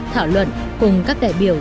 thảo luận cùng các đại biểu